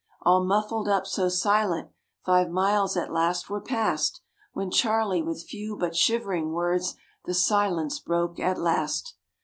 All muffled up so silent, five miles at last were past When Charlie with few but shivering words, the silence broke at last.